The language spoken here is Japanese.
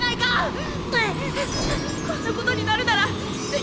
こんなことになるなら銭